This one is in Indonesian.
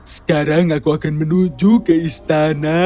sekarang aku akan menuju ke istana